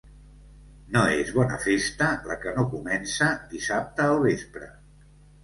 No és bona festa la que no comença dissabte al vespre.